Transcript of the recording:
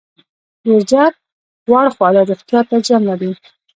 ډیر زیات غوړ خواړه روغتیا ته زیان لري.